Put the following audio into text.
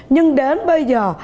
nhưng đến bây giờ